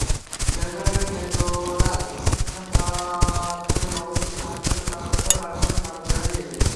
জয়পুরহাটের ক্ষেতলাল থানা চত্বরে অবস্থিত ভারপ্রাপ্ত কর্মকর্তার বাসভবনে ফাটল দেখা দিয়েছে।